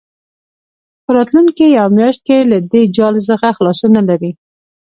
په راتلونکې یوه میاشت کې له دې جال څخه خلاصون نه لري.